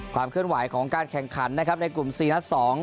ความเคลื่อนไหวของการแข่งขันนะครับในกลุ่ม๔นัด๒